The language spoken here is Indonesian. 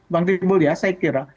bang timbul ya saya kira